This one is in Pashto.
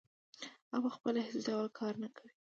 هغه پخپله هېڅ ډول کار نه کوي